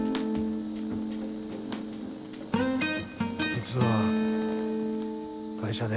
実は会社で。